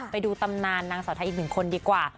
ไปดูตำนานนางสาวไทยอีกหนึ่งคนดีกว่า